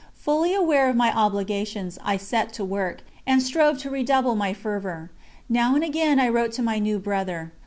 Fully aware of my obligations, I set to work, and strove to redouble my fervour. Now and again I wrote to my new brother.